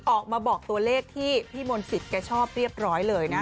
ออกมาบอกตัวเลขที่พี่มนต์สิทธิ์แกชอบเรียบร้อยเลยนะ